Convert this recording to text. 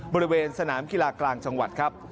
บริเวณสนามกีฬากลางจังหวัดครับ